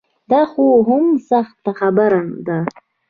دا خو هم سخته خبره ده.